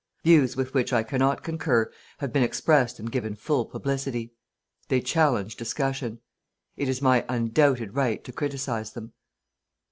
"Views with which I cannot concur have been expressed and given full publicity. They challenge discussion. It is my undoubted right to criticize them."